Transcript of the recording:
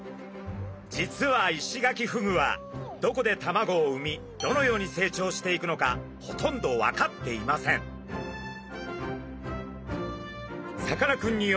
実はイシガキフグはどこで卵を産みどのように成長していくのかほとんど分かっていません。